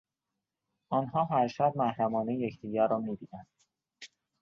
آنها هر شب محرمانه یکدیگر را میبینند.